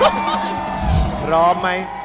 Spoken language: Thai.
พร้อมครับ